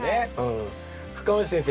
深町先生